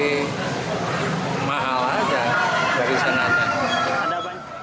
nah mahal aja dari sana aja